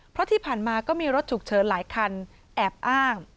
เพราะที่ผ่านมาก็มีรถฉุกเฉินหลายคันแอบอ้าง